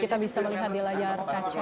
kita bisa melihat di layar kaca